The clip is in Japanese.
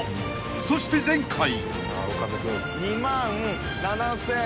［そして前回］